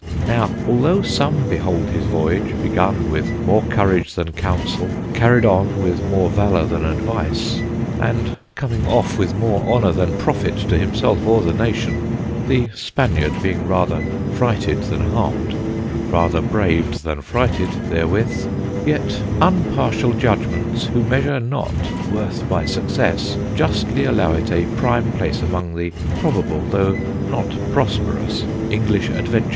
Now although some behold his voyage, begun with more courage then counsel, carried on with more valour then advice, and coming off with more honour than profit to himself or the nation (the Spaniard being rather frighted then harmed, rather braved then frighted therewith); yet unpartial judgments, who measure not worth by success, justly allow it a prime place amongst the probable (though not prosperous) English Adventures.